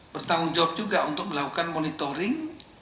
bertanggung jawab juga untuk melakukan monitoring